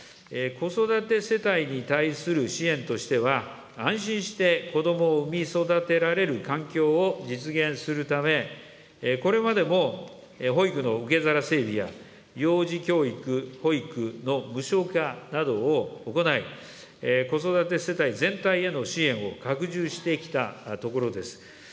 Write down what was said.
子育て世帯に対する支援としては、安心して子どもを産み育てられる環境を実現するため、これまでも、保育の受け皿整備や、幼児教育・保育の無償化などを行い、子育て世帯全体への支援を拡充してきたところです。